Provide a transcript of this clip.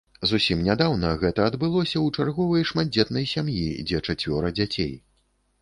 Зусім нядаўна гэта адбылося ў чарговай шматдзетнай сям'і, дзе чацвёра дзяцей.